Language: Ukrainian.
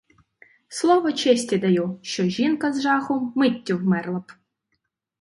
Слово честі даю, що жінка з жаху миттю вмерла б!